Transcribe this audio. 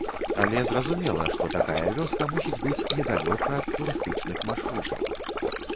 Але зразумела, што такая вёска мусіць быць недалёка ад турыстычных маршрутаў.